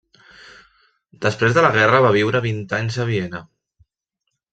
Després de la guerra va viure vint anys a Viena.